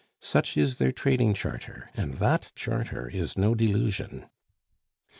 Such is their trading charter, and that charter is no delusion.